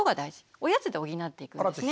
おやつで補っていくんですね。